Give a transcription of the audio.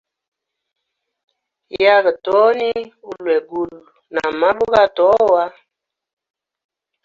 Yaga toni ulwegulu na mabwe gatowa.